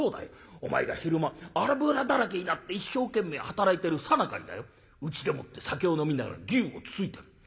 お前が昼間油だらけになって一生懸命働いてるさなかにだようちでもって酒を飲みながら牛をつついてる。